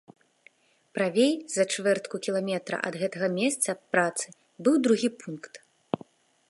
Правей, за чвэртку кіламетра ад гэтага месца працы, быў другі пункт.